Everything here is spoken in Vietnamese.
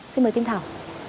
xin mời kim thảo